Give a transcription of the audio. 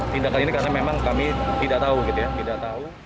tindakan ini karena memang kami tidak tahu gitu ya tidak tahu